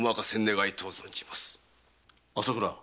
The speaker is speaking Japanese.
朝倉。